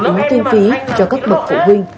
ứng tiền phí cho các bậc phụ huynh